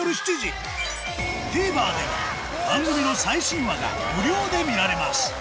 ＴＶｅｒでは番組の最新話が無料で見られます